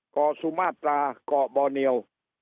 ก่อสุมาตราก่อบอเนียล